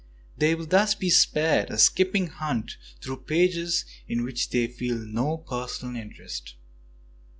They will thus be spared a skipping hunt through pages in which they feel no personal interest.